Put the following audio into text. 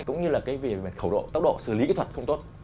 cũng như là cái khẩu độ tốc độ xử lý kỹ thuật không tốt